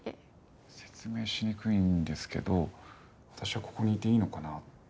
説明しにくいんですけど私はここにいていいのかな？